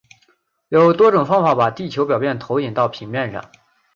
有多种方法把地球表面投影到平面上。